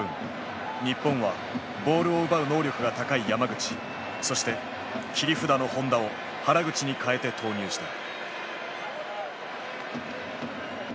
日本はボールを奪う能力が高い山口そして切り札の本田を原口に代えて投入した。